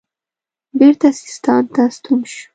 بیرته سیستان ته ستون شو.